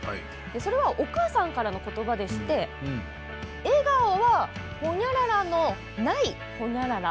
それはお母さんからのことばで笑顔はほにゃららのない、ほにゃらら。